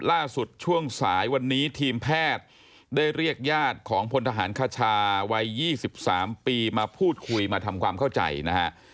ล่าสุดช่วงสายวันนี้ทีมแพทย์ได้เรียกญาติของพลทหารคชาวัย๒๓ปีมาพูดคุยมาทำความเข้าใจนะฮะ